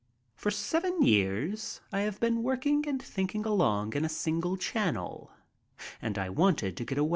For seven years I have been working and thinking along in a single channel and I wanted to get away.